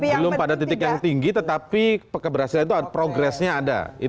belum pada titik yang tinggi tetapi keberhasilan itu progresnya ada